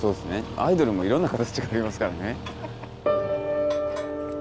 アイドルもいろんな形がありますからね。